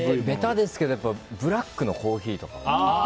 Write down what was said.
べたですけどブラックのコーヒーとか。